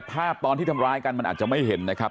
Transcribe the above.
ภาพตอนที่ทำร้ายกันมันอาจจะไม่เห็นนะครับ